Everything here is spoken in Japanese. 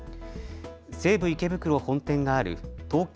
西武池袋本店がある東京